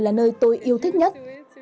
là nơi tôi yêu thích nhất